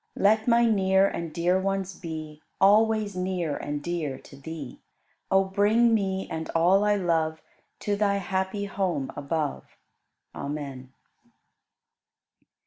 Let my near and dear ones be Always near and dear to Thee. O bring me and all I love To Thy happy home above. Amen.